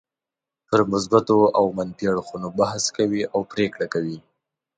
پر مثبتو او منفي اړخونو بحث کوي او پرېکړه کوي.